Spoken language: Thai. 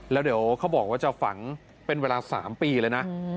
แล้วเดี๋ยวเขาบอกว่าจะฝังเป็นเวลา๓ปีเลยนะ